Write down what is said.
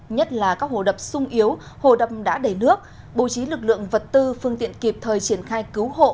nhất là các hồ đập sung yếu hồ đập đã đầy nước bố trí lực lượng vật tư phương tiện kịp thời triển khai cứu hộ